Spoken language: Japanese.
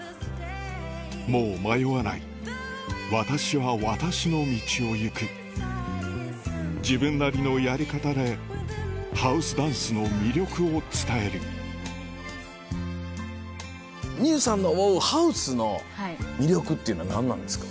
もう迷わない私は私の道を行く自分なりのやり方でハウスダンスの魅力を伝えるＭｉｙｕさんの思うハウスの魅力っていうのは何なんですか？